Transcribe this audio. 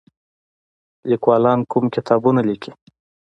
لیکوالان کوم کتابونه لیکي؟